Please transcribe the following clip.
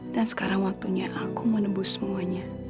dan sekarang waktunya aku menebus semuanya